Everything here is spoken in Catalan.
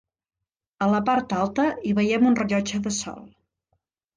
A la part alta hi veiem un rellotge de sol.